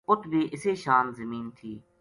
اُت بھی اِسے شان زمین تھی